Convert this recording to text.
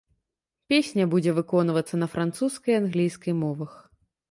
Песня будзе выконвацца на французскай і англійскай мовах.